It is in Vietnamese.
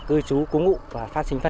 cư chú cú ngụ và phát sinh